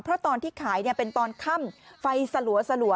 เพราะตอนที่ขายเป็นตอนค่ำไฟสลัว